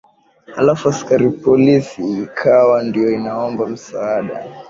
halafu askari polisi ikawa ndio inaomba msaada